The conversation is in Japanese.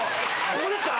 ここですか？